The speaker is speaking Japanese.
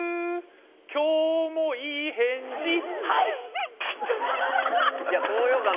今日もいい返事はい！